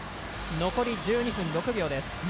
残り１２分６秒です。